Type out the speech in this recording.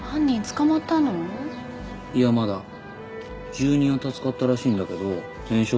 住人は助かったらしいんだけど全焼だって。